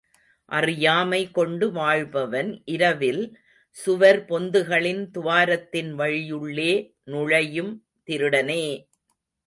அறியாமை கொண்டு வாழ்பவன் இரவில் சுவர் பொந்துகளின் துவாரத்தின் வழியுள்ளே நுழையும் திருடனே!